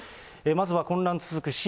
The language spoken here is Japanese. まずは混乱続く新